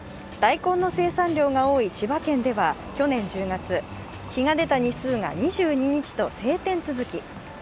大根の生産量が多い千葉県では去年１０月、日が出た日数が２２日と晴天続き。